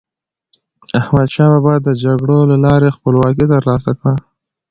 احمدشاه بابا د جګړو له لارې خپلواکي تر لاسه کړه.